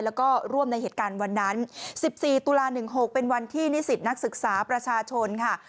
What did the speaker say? แล้วก็ร่วมในเหตุการณ์วันนั้น๑๔ตุลา๑๖เป็นวันที่นิสิตนักศึกษาประชาชนค่ะ